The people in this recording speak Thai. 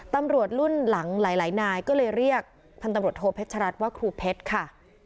ตำรวจรุ่นหลังหลายนายก็เลยเรียกพันธุ์ตำรวจโทเพชรัตนว่าครูเพชรค่ะ